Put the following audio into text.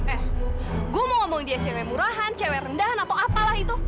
eh gue mau ngomong di ecw murahan cewek rendahan atau apalah itu